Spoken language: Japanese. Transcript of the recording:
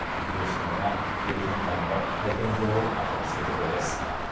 両首脳が迎賓館の会見場を後にするところです。